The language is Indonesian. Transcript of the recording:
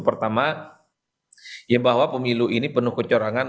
pertama ya bahwa pemilu ini penuh kecurangan